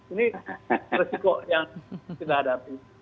ini resiko yang tidak ada